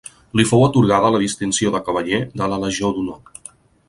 Li fou atorgada la distinció de cavaller de la legió d'honor.